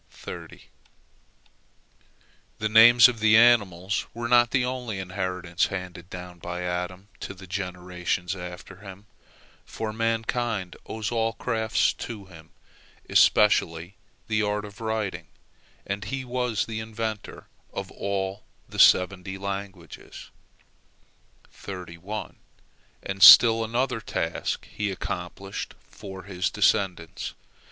The names of the animals were not the only inheritance handed down by Adam to the generations after him, for mankind owes all crafts to him, especially the art of writing, and he was the inventor of all the seventy languages. And still another task he accomplished for his descendants.